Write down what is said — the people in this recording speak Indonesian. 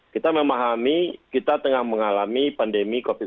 kita memahami kita tengah mengalami pandemi covid sembilan belas